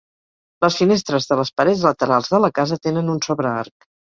Les finestres de les parets laterals de la casa tenen un sobrearc.